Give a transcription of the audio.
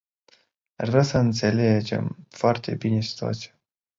Aș vrea să înțelegem foarte bine situația.